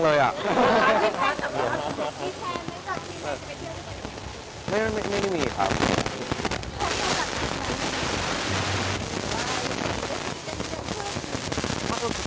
คือเราคุยกันเหมือนเดิมตลอดเวลาอยู่แล้วไม่ได้มีอะไรสูงแรง